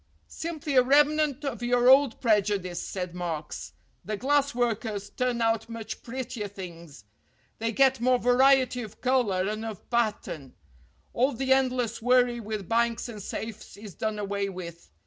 "Simply a remnant of your old prejudice," said Marks. "The glass workers turn out much prettier THE WORTHLESS STONES 311 things. They get more variety of color and of pat tern. All the endless worry with banks and safes is done away with.